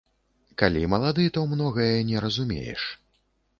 Калі малады, то многае не разумееш.